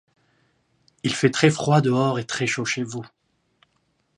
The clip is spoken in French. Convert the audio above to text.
Il fait très froid dehors et très chaud chez vous.